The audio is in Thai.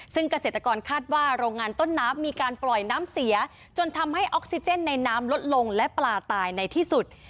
ซึ่งเกษตรกรคาดว่าโรงงานต้นน้ำมีการปล่อยน้ำเสียจนทำให้ออกซิเจนในน้ำลดลงและปลาตายในที่สุด